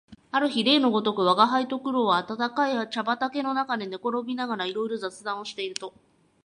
ある日例のごとく吾輩と黒は暖かい茶畠の中で寝転びながらいろいろ雑談をしていると、